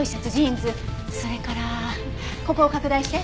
それからここを拡大して。